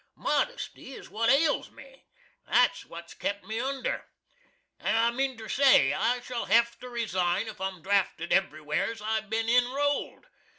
Modesty is what ails me. That's what's kept me under. I meanter say, I shall hav to resign if I'm drafted everywheres I've bin inrold.